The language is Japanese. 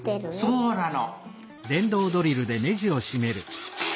そうなの！